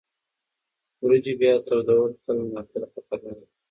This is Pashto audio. وریجې بیا تودول کله ناکله خطرناک وي.